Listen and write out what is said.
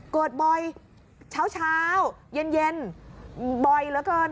เกิดบ่อยเช้าเช้าเย็นเย็นอืมบ่อยเหลือเกิน